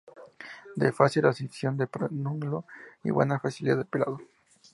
De fácil abscisión de pedúnculo y buena facilidad de pelado.